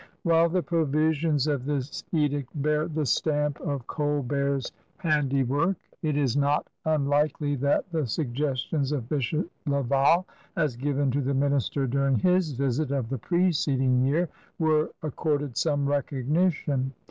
While the provisions of this edict bear the stamp THE AGE OF LOUIS QUATORZE 6S of Colbert's handiwork, it is not unlikely that the suggestions of Bishop Laval, as given to the minister during his visit of the preceding year, were accorded some recognition.